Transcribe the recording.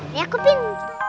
nih aku ping